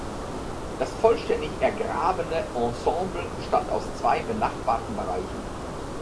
Das vollständig ergrabene Ensemble bestand aus zwei benachbarten Bereichen.